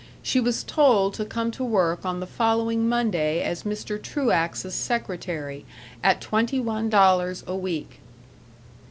She was told to come to work on the following Monday as Mr. Truax's secretary, at twenty one dollars a week.